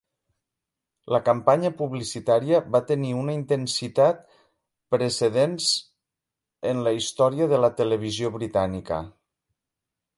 La campanya publicitària va tenir una intensitat precedents en la història de la televisió britànica.